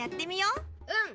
うん！